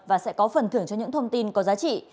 và sẽ có phần thưởng cho những thông tin có giá trị